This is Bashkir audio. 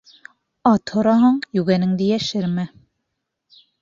Ат һораһаң, йүгәнеңде йәшермә.